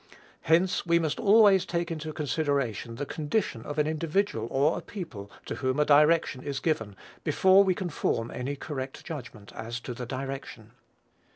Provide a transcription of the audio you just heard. Hence, we must always take into consideration the condition of an individual or a people to whom a direction is given before we can form any correct judgment as to the direction.